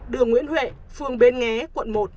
đường nguyễn huệ phường bến nghé quận một